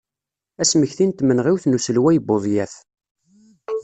Asmekti n tmenɣiwt n uselway Buḍyaf.